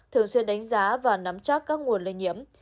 thường xuyên đánh giá và nắm chắc các nguồn lây nhiễm